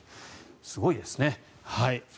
すごいですね。